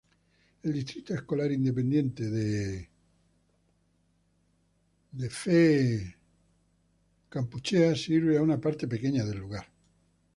El Distrito Escolar Independiente de Edcouch-Elsa sirve a una parte pequeña del lugar.